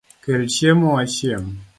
Kel chiemo wachiem